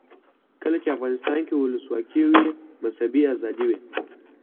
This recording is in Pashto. کله چې افغانستان کې ولسواکي وي مذهبي آزادي وي.